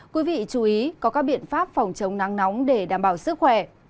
quý vị chú ý có các biện pháp phòng chống nắng nóng để đảm bảo sức khỏe